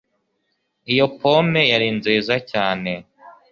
iyo pome yari nziza cyane